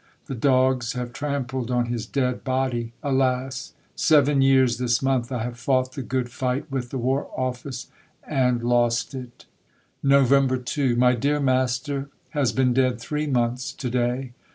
The dogs have trampled on his dead body. Alas! seven years this month I have fought the good fight with the War Office and lost it! November 2. My dear Master has been dead three months to day.